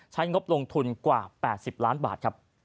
ใช้งบลงทุนกว่า๘๐ล้านบาท